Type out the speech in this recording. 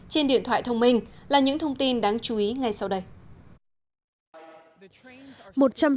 trên điện thoại thông minh là những thông tin đáng chú ý ngay sau đây